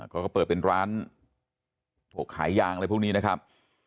เขาก็เปิดเป็นร้านถูกขายยางอะไรพวกนี้นะครับ